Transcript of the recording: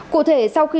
cụ thể sau khi